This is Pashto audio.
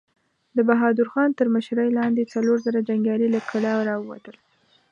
د بهادر خان تر مشرۍ لاندې څلور زره جنګيالي له کلا را ووتل.